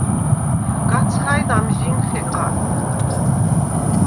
გაცხაჲდ ამჟი̄ნ ხეყარ.